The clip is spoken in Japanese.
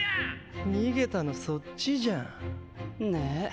逃げたのそっちじゃん。ねぇ。